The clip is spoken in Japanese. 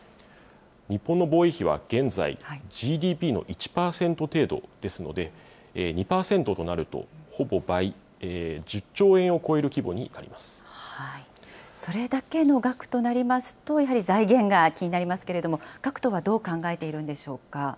日本の防衛費は現在、ＧＤＰの１％程度ですので、２％となるとほぼ倍、それだけの額となりますと、やはり財源が気になりますけれども、各党はどう考えているんでし